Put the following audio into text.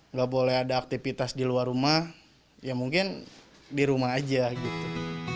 nggak boleh ada aktivitas di luar rumah ya mungkin di rumah aja gitu